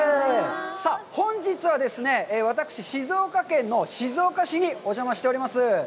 さあ、本日はですね、私、静岡県の静岡市にお邪魔しております。